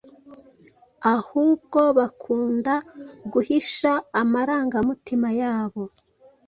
ahubwo bakunda guhisha amarangamutima yabo